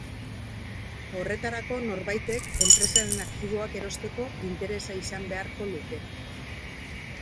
Horretarako norbaitek enpresaren aktiboak erosteko interesa izan beharko luke.